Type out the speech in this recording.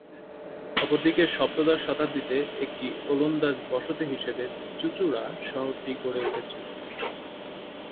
অপরদিকে সপ্তদশ শতাব্দীতে একটি ওলন্দাজ বসতি হিসেবে চুঁচুড়া শহরটি গড়ে উঠেছিল।